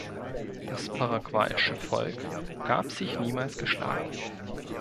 Das paraguayische Volk gab sich niemals geschlagen.